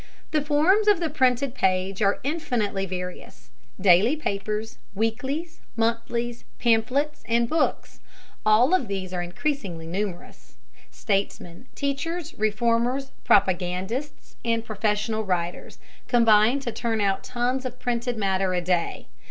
The forms of the printed page are infinitely various: daily papers, weeklies, monthlies, pamphlets, and books, all of these are increasingly numerous. Statesmen, teachers, reformers, propagandists, and professional writers combine to turn out tons of printed matter a day.